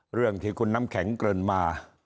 เรื่องที่คุณน้ำแข็งเกินมา